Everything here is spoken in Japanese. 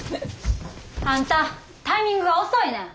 あんたタイミングが遅いねん！